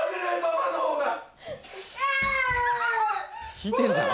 引いてんじゃん。